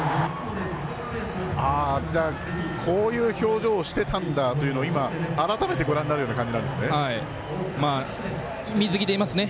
こういう表情してたんだというのを改めてご覧になる感じなんですね。